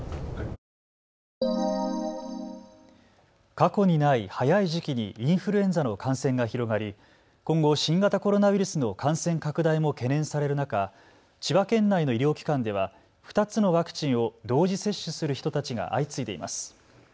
過去にない早い時期にインフルエンザの感染が広がり今後、新型コロナウイルスの感染拡大も懸念される中、千葉県内の医療機関では２つのワクチンを同時接種する人たちが相次いでいます。